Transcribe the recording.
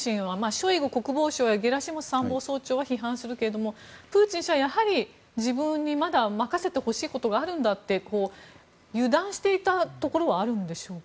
ショイグ国防相やゲラシモフ参謀長は批判するけれどもプーチン氏は自分にまだ任せてほしいことがあるんだと油断していたところはあるんでしょうか？